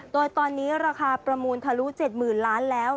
โดยตอนนี้ราคาประมูลทะลุ๗๐๐๐ล้านแล้ว